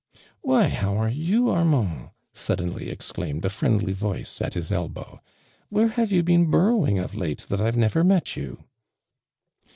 "Why, how are you, Armand!" sudden ly exclaimed a friendly voice at his elbow, " Where have you been biuTOwing of late that I've never met you